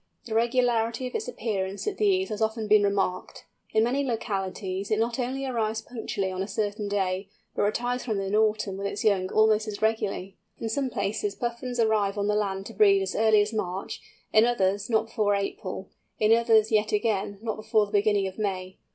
The regularity of its appearance at these has often been remarked. In many localities it not only arrives punctually on a certain day, but retires from them in autumn with its young almost as regularly! In some places Puffins arrive on the land to breed as early as March; in others, not before April; in others, yet again, not before the beginning of May.